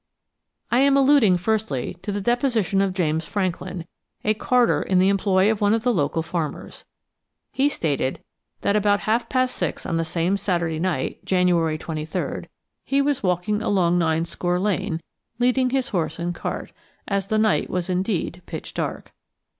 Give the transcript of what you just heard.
I am alluding, firstly, to the deposition of James Franklin, a carter in the employ of one of the local farmers. He stated that about half past six on that same Saturday night, January 23rd, he was walking along Ninescore Lane leading his horse and cart, as the night was indeed pitch dark.